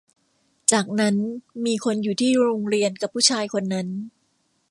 จากนั้นมีคนอยู่ที่โรงเรียนกับผู้ชายคนนั้น